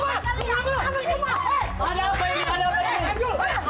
masih ada bapak gino